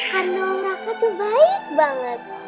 karena raka tuh baik banget